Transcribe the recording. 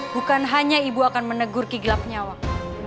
bukan hanya ibu akan menegurki gelap nyawang